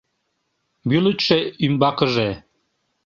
Вӱлычшӧ — ӱмбакыже.